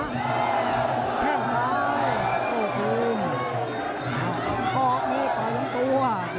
แกงซ้าย